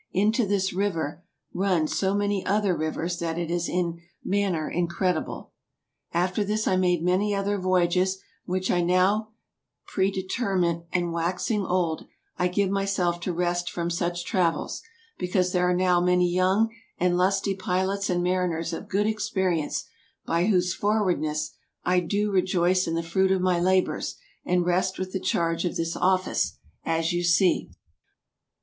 Into this Riuer runne so many other riuers, that it is in maner incredible. After this I made many other voyages, which I nowe pretermit, and waxing olde, I giue myselfe to rest from such trauels, because there are nowe many yong and lustie Pilots and Mariners of good experience, by whose forwardnesse I doe reioyce in the fruit of my labours, and rest with the charge of this office, as you see.